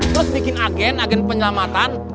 plus bikin agen agen penyelamatan